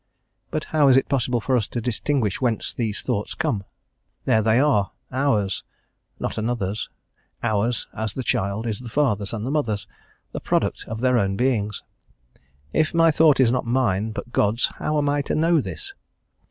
But how is it possible for us to distinguish whence these thoughts come? There they are, ours, not another's ours as the child is the father's and mother's, the product of their own beings. If my thought is not mine, but God's, how am I to know this?